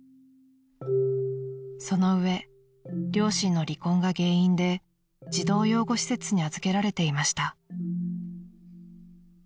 ［その上両親の離婚が原因で児童養護施設に預けられていました］